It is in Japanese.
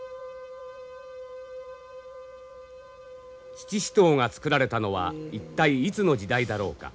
七支刀が作られたのは一体いつの時代だろうか。